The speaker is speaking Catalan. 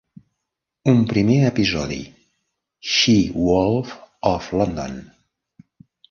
Un primer episodi: She Wolf of London.